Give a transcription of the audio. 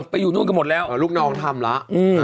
ไปอยู่นู้นกันหมดแล้วเอ่อลูกน้องทำละอืม